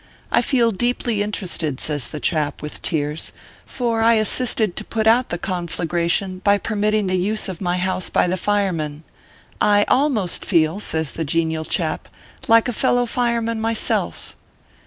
I feel deeply interested," says the chap, with tears ;" for I assisted to put out the conflagration by permitting the use of my house by the firemen. I almost feel," says the genial chap, " like a fellow fire man myself."